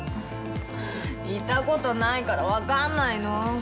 いた事ないからわかんないの！